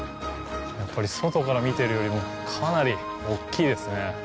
やっぱり、外から見てるよりもかなり大きいですね。